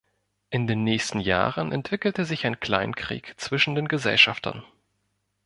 In den nächsten Jahren entwickelte sich ein Kleinkrieg zwischen den Gesellschaftern.